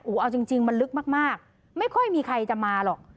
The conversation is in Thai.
อู๋เอาจริงจริงมันลึกมากมากไม่ค่อยมีใครจะมาหรอก